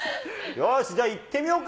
よし、じゃあいってみようか。